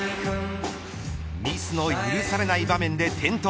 ミスの許されない場面で転倒。